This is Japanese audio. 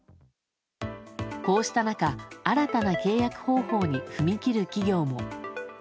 こうした中、新たな契約方法に踏み切る企業も。